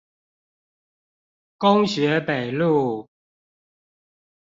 工學北路